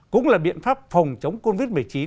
cũng là biện pháp phòng chống covid một mươi chín